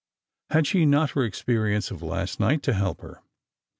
[ad she not Lor experience of last night to help her